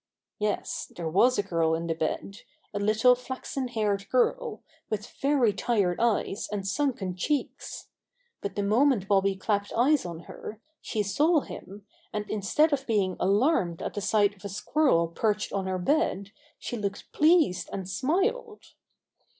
Yes, there was a girl in the bed, a little flaxen haired girl, with very tired eyes and sunken cheeks. But the moment Bobby clapped eyes on her, she saw him, and instead of being alarmed at the sight of a squirrel perched on her bed she looked pleased and smiled.